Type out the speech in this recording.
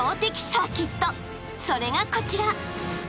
［それがこちら］